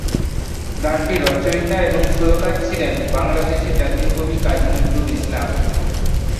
গানটির রচয়িতা এবং সুরকার ছিলেন বাংলাদেশের জাতীয় কবি কাজী নজরুল ইসলাম।